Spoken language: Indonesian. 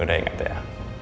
udah inget ya